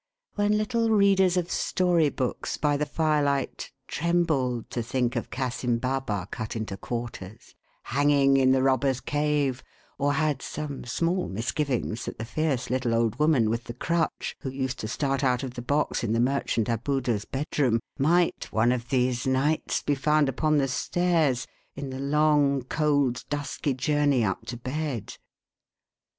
When little readers of story books, by the firelight, trembled to think of Cassim Baba cut into quarters, hanging in the Robbers' Cave, or had some small misgivings that the fierce little old woman, with the crutch, who used to start out of the box in the merchant Abudah's bedroom, might, one of these nights, be found upon the stairs, in the long, cold, dusky journey up to bed.